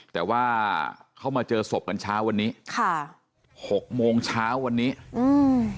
แต่ว่าเขามาเจอศพกันเช้าวันนี้ค่ะหกโมงเช้าวันนี้อืม